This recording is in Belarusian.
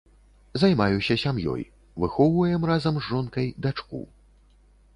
Займаюся сям'ёй, выхоўваем разам з жонкай дачку.